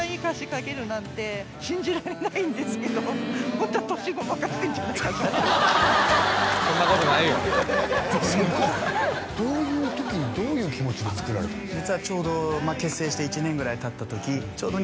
ホントは・そんなことないよどういう時にどういう気持ちで作られたんですか？